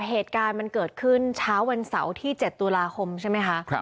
เหตุการณ์มันเกิดขึ้นเช้าวันเสาร์ที่๗ตุลาคมใช่ไหมคะ